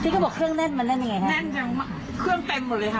ที่เขาบอกเครื่องแน่นมันแน่นยังไงค่ะ